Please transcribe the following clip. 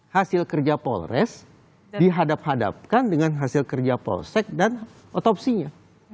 hasil kerja polres dihadap hadapkan dengan hasil kerja polsek dan otopsinya